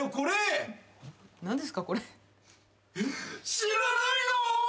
知らないの！？